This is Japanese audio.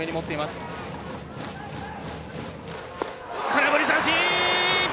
空振り三振！